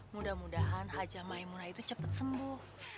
mudah mudahan haji maimunah itu cepet sembuh